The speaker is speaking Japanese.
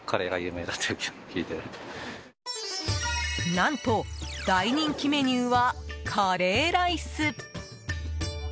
何と大人気メニューはカレーライス。